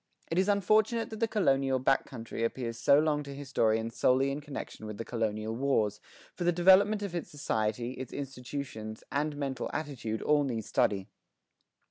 It is unfortunate that the colonial back country appealed so long to historians solely in connection with the colonial wars, for the development of its society, its institutions and mental attitude all need study.